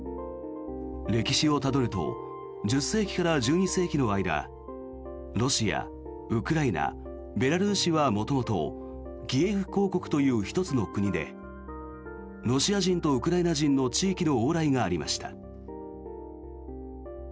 歴史をたどると１０世紀から１２世紀の間ロシア、ウクライナベラルーシは元々キエフ公国という１つの国でロシア人とウクライナ人の地域の往来がありました。